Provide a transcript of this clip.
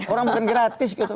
orang bukan gratis gitu